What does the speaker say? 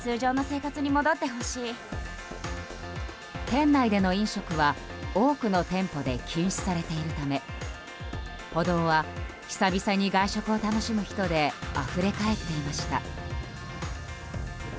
店内での飲食は多くの店舗で禁止されているため歩道は、久々に外食を楽しむ人であふれ返っていました。